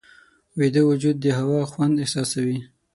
ویده وجود د هوا خوند احساسوي